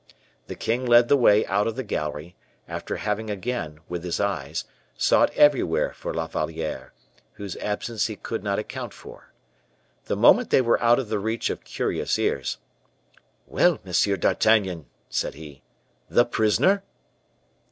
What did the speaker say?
The king led the way out of the gallery, after having again, with his eyes, sought everywhere for La Valliere, whose absence he could not account for. The moment they were out of the reach of curious ears, "Well! Monsieur d'Artagnan," said he, "the prisoner?"